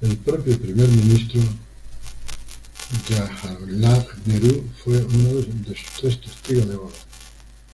El propio primer ministro Jawaharlal Nehru fue uno de sus tres testigos de boda.